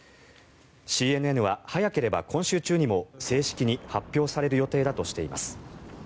ＣＮＮは早ければ今週中にも正式に発表される予定だとしています。